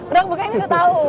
udah kebuka gini tau